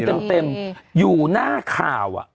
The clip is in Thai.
เต็มอยู่หน้าข่าว